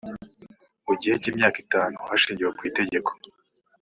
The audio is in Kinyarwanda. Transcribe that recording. mu gihe cy imyaka itanu hashingiwe ku itegeko